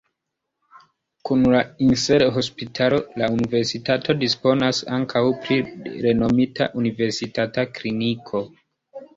Kun la Insel-hospitalo la universitato disponas ankaŭ pri renomita universitata kliniko.